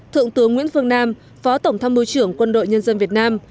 thượng tướng nguyễn phương nam phó tổng tham mưu trưởng quân đội nhân dân việt nam